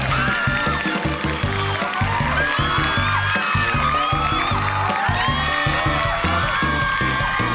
วันนี้ขอบคุณมากเลยนะคะที่มาร่วมสนุกบรรยาการนะคะ